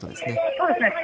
そうですね。